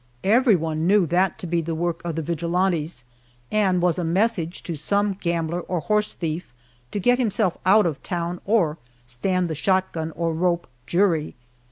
Everyone knew that to have been the work of vigilantes, and was a message to some gambler or horse thief to get himself out of town or stand the shotgun or rope jury.